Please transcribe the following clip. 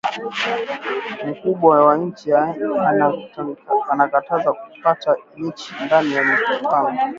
Mukubwa wa inchi ana kataza ku kata michi ndani ya mpango